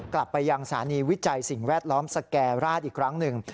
กลับไปยังสถานีวิจัยสิ่งแวดล้อมสแก่ราชอีกครั้งหนึ่ง